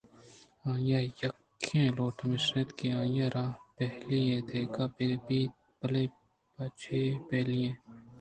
آئی ءِ یکیں لوٹ ہمیش اَت کہ آئی ءَ راپہیلّی ئےدیگ بہ بیت بلئے پہ چے ءَ پہیلّی ئے؟